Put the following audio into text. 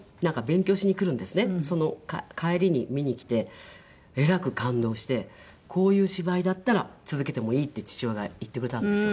その帰りに見に来てえらく感動して「こういう芝居だったら続けてもいい」って父親が言ってくれたんですよ。